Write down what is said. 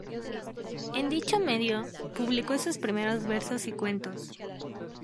En dicho medio publicó sus primeros versos y cuentos.